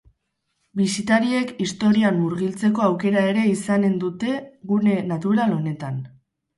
Bisitariek historian murgiltzeko aukera ere izanen dute gune natural honetan.